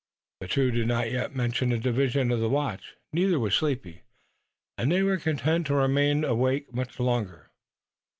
The two did not yet mention a division of the watch. Neither was sleepy and they were content to remain awake much longer.